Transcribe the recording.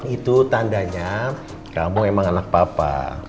itu tandanya kamu emang anak papa